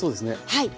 はい。